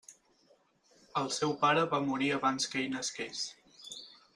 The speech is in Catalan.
El seu pare va morir abans que ell nasqués.